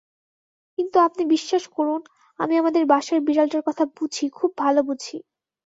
কিন্তু আপনি বিশ্বাস করুন-আমি আমাদের বাসার বিড়ালটার কথা বুঝি খুব ভালো বুঝি।